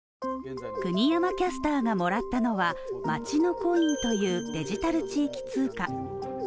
国山キャスターがもらったのはまちのコインというデジタル地域通貨。